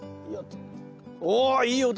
おいい音！